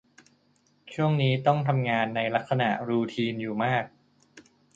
ช่วงนี้ต้องทำงานในลักษณะรูทีนอยู่มาก